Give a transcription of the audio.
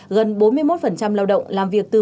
gần bốn mươi một lao động làm việc từ bốn mươi đến bốn mươi